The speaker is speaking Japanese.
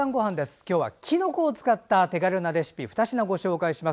今日はきのこを使ったレシピ２品、ご紹介します。